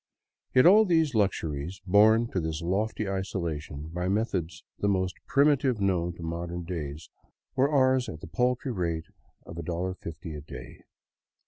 Yet all these luxuries, borne to this lofty isolation by methods the most primitive known to modern days, were ours at the paltry rate of $1.50 a day.